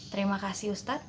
terima kasih ustaz